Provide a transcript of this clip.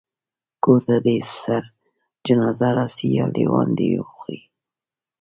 کور ته دي سره جنازه راسي یا لېوان دي وخوري